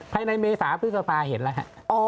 ภายในเมษาพฤษภาเห็นแล้ว